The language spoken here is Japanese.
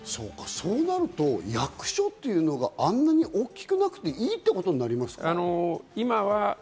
そうなると役所っていうのが、あんなに大きくなくていいってことになりますか？